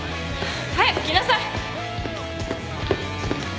早く来なさい。